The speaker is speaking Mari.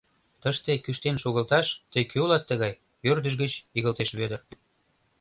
— Тыште кӱштен шогылташ, тый кӧ улат тыгай? — ӧрдыж гыч игылтеш Вӧдыр.